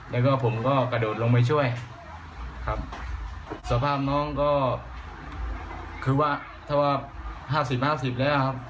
แล้วก็ผมก็กระโดดลงไปช่วยครับสภาพน้องก็คือว่า๕๐๕๐แล้วครับ